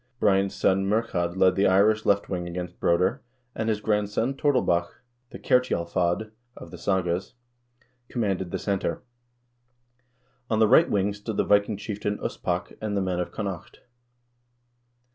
Brian's son, Murchad, led the Irish left wing against Broder, and his grandson, Tordelbach (the Kertjalfad of the sagas), commanded the center. On the right wing stood the Viking chieftain Uspak and the men of Connaught.